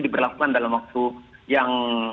diberlakukan dalam waktu yang